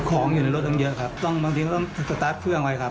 ของอยู่ในรถตั้งเยอะครับต้องบางทีก็ต้องสตาร์ทเครื่องไว้ครับ